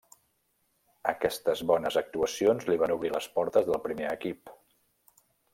Aquestes bones actuacions li van obrir les portes del primer equip.